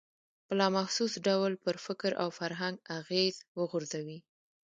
په لا محسوس ډول پر فکر او فرهنګ اغېز وغورځوي.